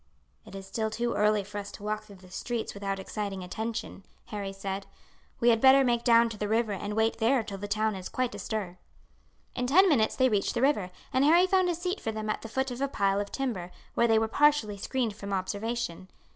"It is still too early for us to walk through the streets without exciting attention," Harry said. "We had better make down to the river and wait there till the town is quite astir." In ten minutes they reached the river, and Harry found a seat for them at the foot of a pile of timber, where they were partially screened from observation.